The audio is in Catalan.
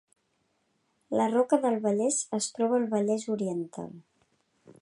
La Roca del Vallès es troba al Vallès Oriental